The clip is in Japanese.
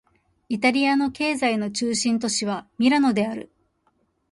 イタリアの経済の中心都市はミラノである